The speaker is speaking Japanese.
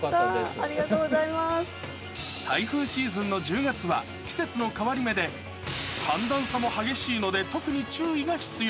ありがとうございま台風シーズンの１０月は季節の変わり目で、寒暖差も激しいので、特に注意が必要。